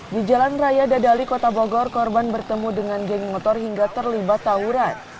di jalan raya dadali kota bogor korban bertemu dengan geng motor hingga terlibat tawuran